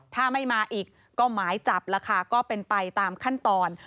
ถ้าไม่มาอีกก็หมายจับแล้วค่ะก็เป็นไปตามขั้นตอน